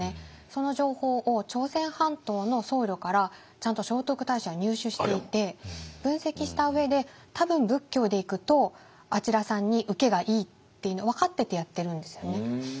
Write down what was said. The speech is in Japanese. その情報を朝鮮半島の僧侶からちゃんと聖徳太子は入手していて分析した上で多分仏教でいくとあちらさんにウケがいいっていうの分かっててやってるんですよね。